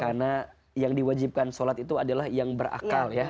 karena yang diwajibkan sholat itu adalah yang berakal ya